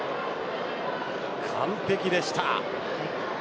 完璧でした。